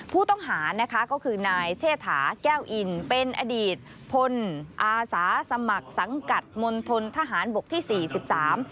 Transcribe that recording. ผู้ต้องหานะคะก็คือนายเชษฐาแก้วอินเป็นอดีตพลอาสาสมัครสังกัดมณฑนทหารบกที่สี่สิบสาม